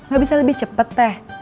gak bisa lebih cepat teh